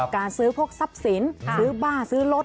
การซื้อพวกทรัพย์สินซื้อบ้านซื้อรถ